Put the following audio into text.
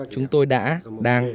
chúng tôi đã đang